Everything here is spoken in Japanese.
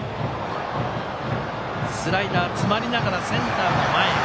スライダー、詰まりながらセンターの前へ。